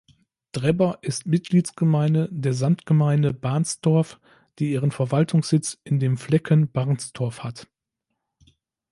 Drebber ist Mitgliedsgemeinde der Samtgemeinde Barnstorf, die ihren Verwaltungssitz in dem Flecken Barnstorf hat.